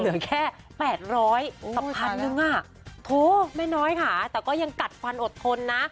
เหลือแค่๘๐๐กับพันหนึ่งอ่ะโถแม่น้อยค่ะแต่ก็ยังกัดฟันอดทนนะ